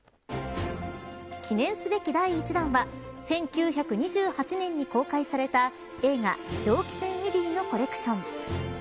記念すべき第１弾は１９２８年に公開された映画蒸気船ウィリーのコレクション。